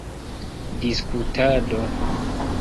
diskutado